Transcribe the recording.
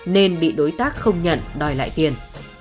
nên bị đối tác không nhận đòi lại tiền